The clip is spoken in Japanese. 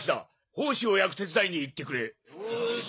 胞子を焼く手伝いに行ってくれ。